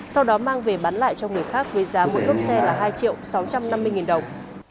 sau đó mang về bán lại cho người khác với giá mỗi cốp xe là hai triệu sáu trăm năm mươi đồng